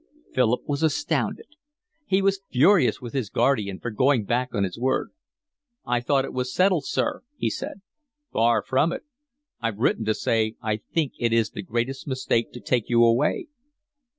Philip was astounded. He was furious with his guardian for going back on his word. "I thought it was settled, sir," he said. "Far from it. I've written to say I think it the greatest mistake to take you away."